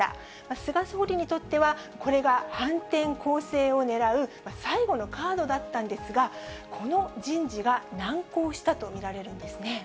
菅総理にとっては、これが反転攻勢をねらう最後のカードだったんですが、この人事が難航したと見られるんですね。